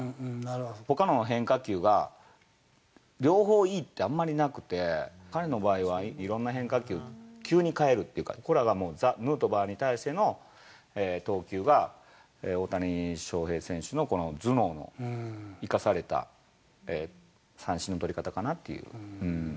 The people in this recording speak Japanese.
ほかの変化球が両方いいってあんまりなくて、彼の場合はいろんな変化球、急に変えるっていうか、これがザ・ヌートバーに対しての投球が、大谷翔平選手のこの頭脳の生かされた三振の取り方かなっていう。